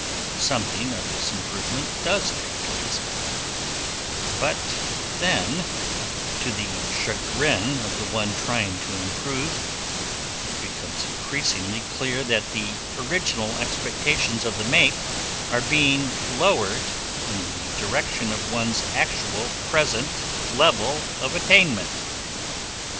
Something of this improvement does take place but then, to the chagrin of the one trying to improve, it becomes increasingly clear that the original expectations of the mate are being lowered in the direction of one's actual present level of attainment.